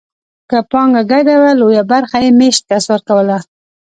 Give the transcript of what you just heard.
که پانګه ګډه وه لویه برخه یې مېشت کس ورکوله